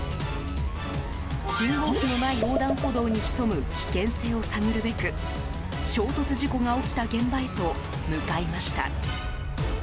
信号機のない横断歩道に潜む危険性を探るべく衝突事故が起きた現場へと向かいました。